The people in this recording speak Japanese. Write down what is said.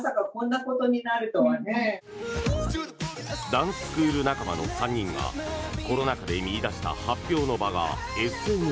ダンススクール仲間の３人がコロナ禍で見いだした発表の場がＳＮＳ。